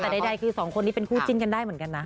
แต่ใดคือสองคนนี้เป็นคู่จิ้นกันได้เหมือนกันนะ